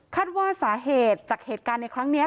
ว่าสาเหตุจากเหตุการณ์ในครั้งนี้